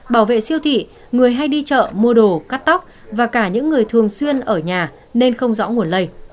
bảo vệ siêu thị người hay đi chợ mua đồ cắt tóc và cả những người thường xuyên ở nhà nên không rõ nguồn lây